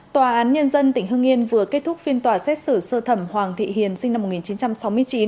tòa án nhân dân tỉnh hưng yên vừa kết thúc phiên tòa xét xử sơ thẩm hoàng thị hiền sinh năm một nghìn chín trăm sáu mươi chín